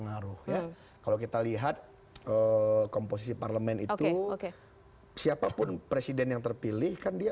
pengaruh ya kalau kita lihat komposisi parlemen itu siapapun presiden yang terpilih kan dia